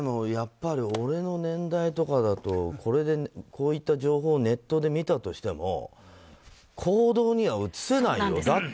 俺の年代とかだとこういった情報をネットで見たとしても行動には移せないよ。